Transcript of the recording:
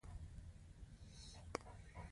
البته په هغه صورت کې چې اتریشیان جګړه بس کړي.